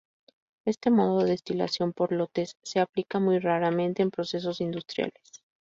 Este modo de destilación por lotes se aplica muy raramente en procesos industriales.